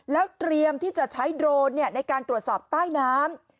แล้วเตรียมที่จะใช้โดรนในการตรวจสอบใต้น้ำ